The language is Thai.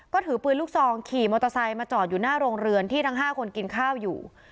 ก็ถือปืนลูกซองขี่มอเตอร์ไซค์มาจอดอยู่หน้าโรงเรือนที่ทั้ง๕คนกินข้าวอยู่